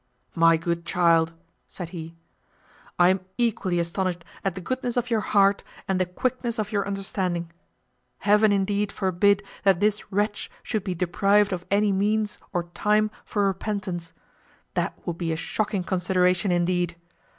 "My good child," said he, "I am equally astonished at the goodness of your heart, and the quickness of your understanding. Heaven indeed forbid that this wretch should be deprived of any means or time for repentance! That would be a shocking consideration indeed.